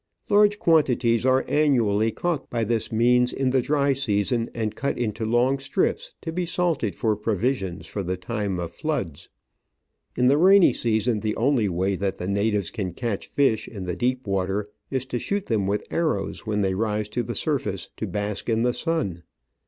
Large quantities are annually caught by this means in the dry season, and cut into long strips to be salted for provisions for the time of floods. In the rainy season the only way that the natives can catch fish in the deep water is to shoot th^^m with arrows when they rise to the surface to bask in the sun.